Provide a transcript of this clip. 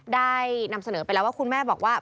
ได้นำเสนอไปแล้วว่าคุณแม่บอกว่า